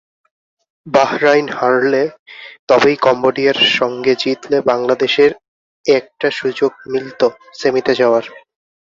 Bahrain হারলে তবেই কম্বোডিয়ার সঙ্গে জিতলে বাংলাদেশের একটা সুযোগ মিলত সেমিতে যাওয়ার।